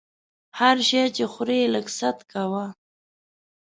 هر شی چې خورې لږ ست کوه!